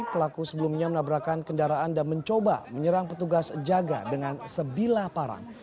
pelaku sebelumnya menabrakan kendaraan dan mencoba menyerang petugas jaga dengan sebilah parang